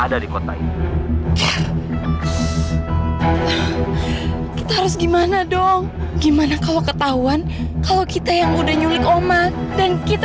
ada di kota ini kita harus gimana dong gimana kalau ketahuan kalau kita yang udah nyulik oma dan kita